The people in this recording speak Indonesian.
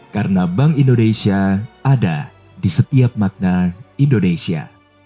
karena bank indonesia ada di setiap makna indonesia